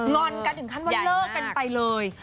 อนกันถึงขั้นว่าเลิกกันไปเลย